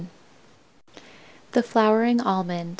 ] THE FLOWERING ALMOND.